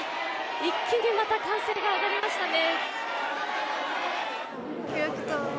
一気にまた歓声が上がりましたね。